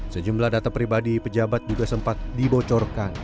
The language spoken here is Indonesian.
sejumlah data pribadi pejabat juga sempat dibocorkan